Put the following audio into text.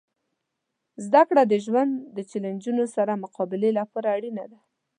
زدهکړه د ژوند د چیلنجونو سره مقابلې لپاره اړینه ده.